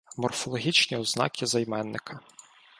Морфологічні ознаки займенника